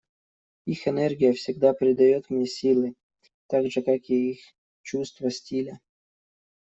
Их энергия всегда придает мне силы, так же как и их чувство стиля.